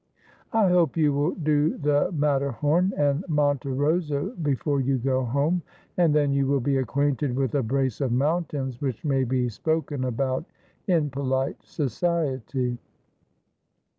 I hope you will do the Matter horn and Monte Rosa before you go home ; and then you will be acquainted with a brace of mountains which may be spoken about in polite society.'